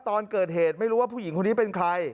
ตอนเกิดเหตุไม่รู้ว่าผู้หญิงคนนี้เป็นใคร